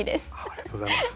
ありがとうございます。